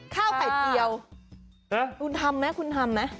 ข้าวไก่เตี้ยวคุณทำมั้ยคุณทำมั้ย